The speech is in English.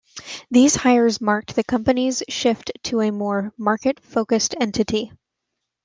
These hires marked the company's shift to a more market focused entity.